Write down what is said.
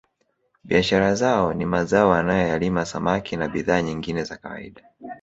Biashara zao ni mazao wanayoyalima samaki na bidhaa nyingine za kawaida